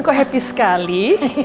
kok happy sekali